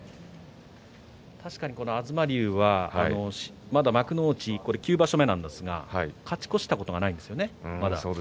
確かに東龍はまだ幕内９場所目なんですが勝ち越したことはないんですよね。